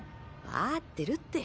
わあってるって。